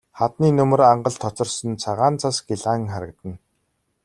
Хадны нөмөр ангалд хоцорсон цагаан цас гялайн харагдана.